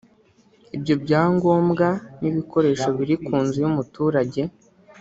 Ibyo byangombwa n’ibikoresho biri ku nzu y’umuturage